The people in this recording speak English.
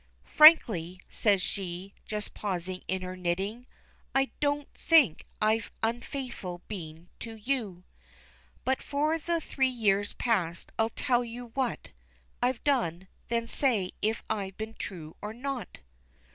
"Frankly," says she, just pausing in her knitting, "I don't think I've unfaithful been to you; But for the three years past I'll tell you what I've done; then say if I've been true or not.